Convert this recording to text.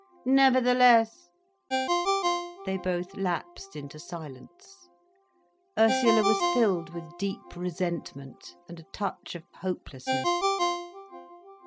Nevertheless—" They both lapsed into silence. Ursula was filled with deep resentment and a touch of hopelessness.